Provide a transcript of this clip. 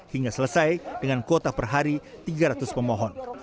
hingga selesai dengan kuota per hari tiga ratus pemohon